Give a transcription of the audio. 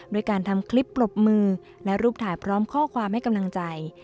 ด้วยการทำคลิปปรบมือและรูปถ่ายพร้อมข้อความให้กำลังใจ